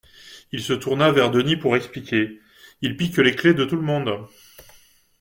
Il se tourna vers Denis pour expliquer: il pique les clés de tout le monde